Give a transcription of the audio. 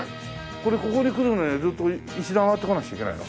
これここに来るまでずっと石段上がってこなくちゃいけないの？